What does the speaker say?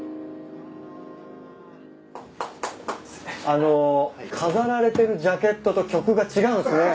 あの飾られてるジャケットと曲が違うんすね。